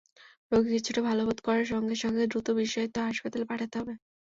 রোগী কিছুটা ভালো বোধ করার সঙ্গে সঙ্গে দ্রুত বিশেষায়িত হাসপাতালে পাঠাতে হবে।